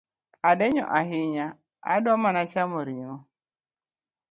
Adenyo ahinya , adwa mana chamo ring’o